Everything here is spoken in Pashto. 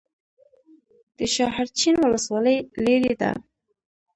د شاحرچین ولسوالۍ لیرې ده